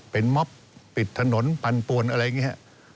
เป็นม็อบปิดถนนปั่นปวนอะไรอย่างนี้ครับ